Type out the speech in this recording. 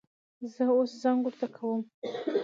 زه اوس زنګ ورته کوم